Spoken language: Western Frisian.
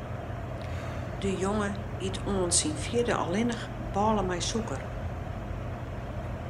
De jonge iet oant syn fjirde allinnich bôle mei sûker.